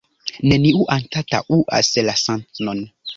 Nenio anstataŭas la sanon.